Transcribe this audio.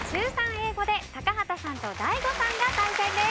英語で高畑さんとＤＡＩＧＯさんが参戦です。